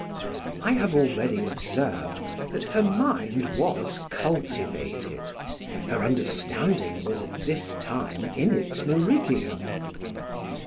I have already observed that her mind was cultivated; her understanding was at this time in its meridian.